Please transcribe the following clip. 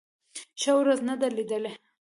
ښه ورځ نه ده لېدلې.